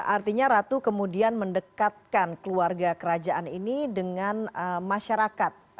artinya ratu kemudian mendekatkan keluarga kerajaan ini dengan masyarakat